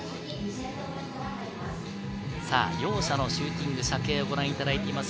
両者のシューティング、射形をご覧いただいています。